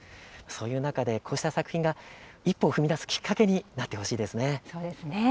そういう中でこうした作品が一歩を踏み出すきっかけになってほしいですよね。